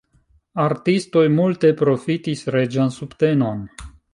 Artistoj multe profitis reĝan subtenon.